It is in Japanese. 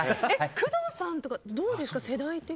工藤さんとか世代的にどうですか？